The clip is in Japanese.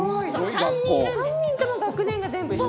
３人とも学年が全部一緒。